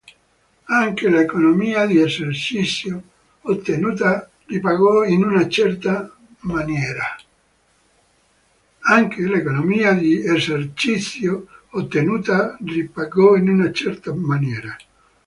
Anche l'economia di esercizio ottenuta ripagò in una certa maniera.